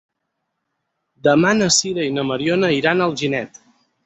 Demà na Sira i na Mariona iran a Alginet.